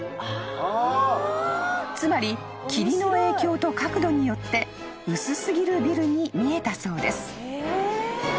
［つまり霧の影響と角度によって薄すぎるビルに見えたそうです］